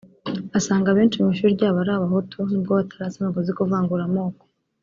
asanga abenshi mu ishuri ryabo ari Abahutu n’ubwo we atari asanzwe azi kuvangura amoko